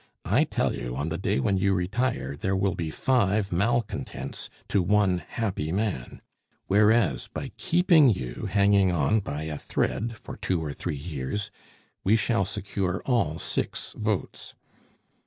I tell you, on the day when you retire, there will be five malcontents to one happy man; whereas, by keeping you hanging on by a thread for two or three years, we shall secure all six votes.